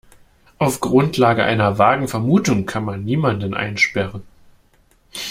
Auf Grundlage einer vagen Vermutung kann man niemanden einsperren.